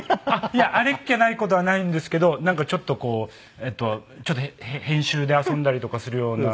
いやあれっきゃない事はないんですけどなんかちょっとこう編集で遊んだりとかするような